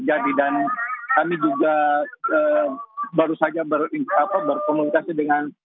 salah satu warga di kecamatan